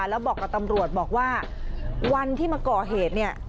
แล้วบอกกับตำรวจบอกว่าวันที่มาก่อเหตุเนี่ย